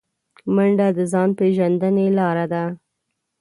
منډه د ځان پیژندنې لاره ده